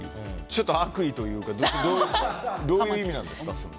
ちょっと悪意というかどういう意味なんですか？